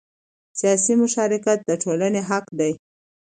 سیاسي مشارکت د ټولنې حق دی